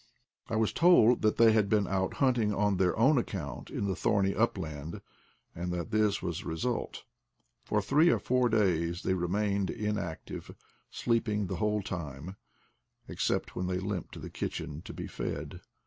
A DOG IN EXILE 59 I was told that they had been out hunting on their own account in the thorny upland, and that this was the result. For three or four days they re mained inactive, sleeping the whole time, except when they limped to the kitchen to be fed.